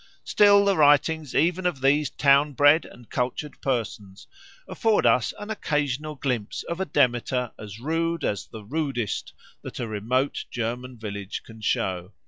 Still the writings even of these town bred and cultured persons afford us an occasional glimpse of a Demeter as rude as the rudest that a remote German village can show.